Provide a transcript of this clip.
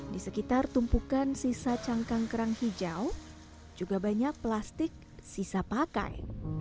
di sekitar tumpukan sisa cangkang kerang hijau juga banyak plastik sisa pakai